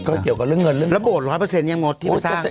ก็เกี่ยวกับเรื่องเงินเรื่องระโบสร้อยเปอร์เซ็นยังมดที่ว่าสร้าง